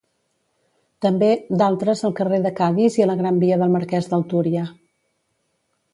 També, d'altres al carrer de Cadis i a la Gran via del Marqués del Túria.